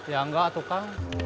ya enggak tukang